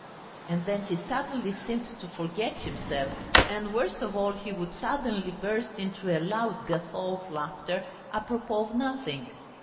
And then he suddenly seemed to forget himself, and worst of all he would suddenly burst into a loud guffaw of laughter, à propos of nothing.